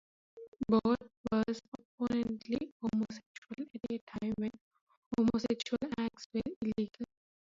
Broad was openly homosexual at a time when homosexual acts were illegal.